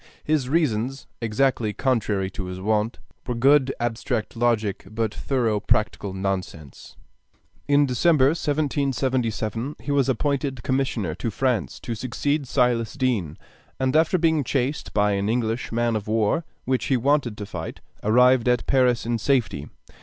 His reasons, exactly contrary to his wont, were good abstract logic but thorough practical nonsense. In December, 1777, he was appointed commissioner to France to succeed Silas Deane, and after being chased by an English man of war (which he wanted to fight) arrived at Paris in safety.